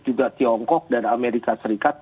juga tiongkok dan amerika serikat